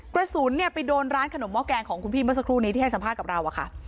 กระสูญไปโดนร้านขนมเมาะแกงของคุณพี่เมื่อสักครู่นี้ที่ให้สัมภาษณ์กับเรา